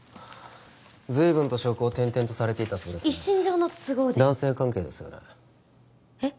随分と職を転々とされていたそうですね一身上の都合で男性関係ですよねえっ？